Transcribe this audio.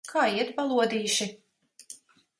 Kā iet, balodīši?